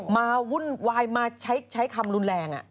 วุ่นวายมาใช้คำรุนแรง